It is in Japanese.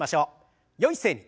よい姿勢に。